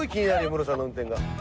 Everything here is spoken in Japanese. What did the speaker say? ムロさんの運転が。